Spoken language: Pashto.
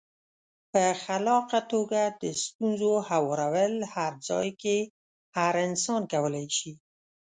په خلاقه توګه د ستونزو هوارول هر ځای کې هر انسان کولای شي.